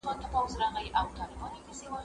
له ښو څه ښه زېږي، له بدو څه واښه.